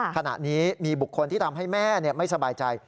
ขณะนี้มีบุคคลที่ทำให้แม่ไม่สบายใจ